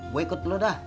gue ikut lo dah